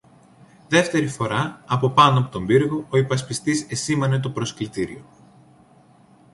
Δεύτερη φορά, από πάνω από τον πύργο, ο υπασπιστής εσήμανε το προσκλητήριο.